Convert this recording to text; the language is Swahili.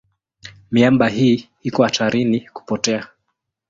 Miamba hii iko hatarini kupotea.